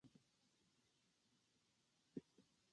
月が地球にメールを送って、「ちょっと距離を置きたい」と伝えた。